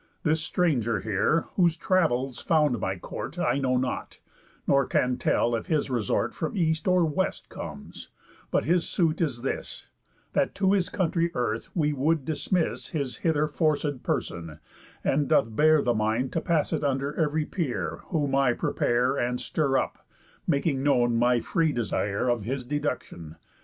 This stranger here, whose travels found my court, I know not, nor can tell if his resort From East or West comes; but his suit is this: That to his country earth we would dismiss His hither forcéd person, and doth bear The mind to pass it under ev'ry peer; Whom I prepare, and stir up, making known My free desire of his deductión.